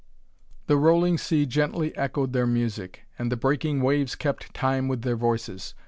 The rolling sea gently echoed their music, and the breaking waves kept time with their voices.